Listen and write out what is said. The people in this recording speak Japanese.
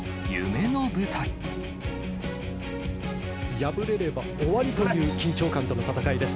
敗れれば終わりという緊張感との戦いです。